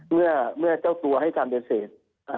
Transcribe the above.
เมื่อเจ้าตัวให้การปฏิเสธ